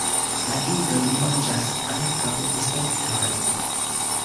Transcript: La idoj manĝas ankaŭ insektojn.